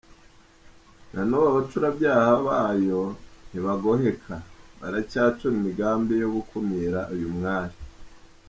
Na n’ubu Abacurabyaha bayo nti bagoheka, baracyacura imigambi yo gukumira uyu mwali.